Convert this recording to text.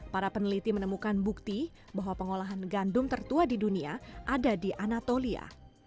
para peneliti menemukan bukti bahwa pengolahan gandum tertua di dunia ada di anatolia